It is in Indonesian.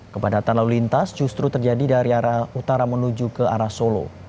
kepadatan lalu lintas justru terjadi dari arah utara menuju ke arah solo